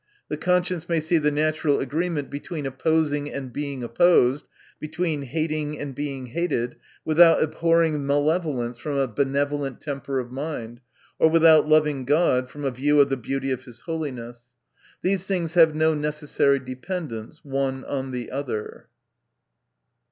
The conscience may see the natural agreement between opposing and being opposed, between hating and being hated, without abhorring malevo lence from a benevolent temper of mind, or without loving God from a view of the beauty of his holiness. These things have no necessary dependence one on the other.